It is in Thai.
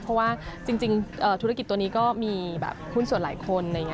เพราะว่าจริงธุรกิจตัวนี้ก็มีหุ้นส่วนหลายคน